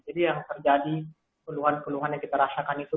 jadi yang terjadi peluhan peluhan yang kita rasakan itu